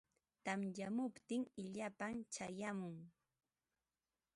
Tamyamuptin illapam chayamun.